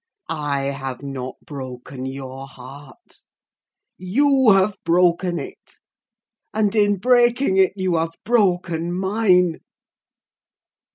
I have not broken your heart—you have broken it; and in breaking it, you have broken mine.